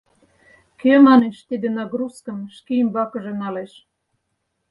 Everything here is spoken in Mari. — Кӧ, — манеш, — тиде нагрузкым шке ӱмбакыже налеш?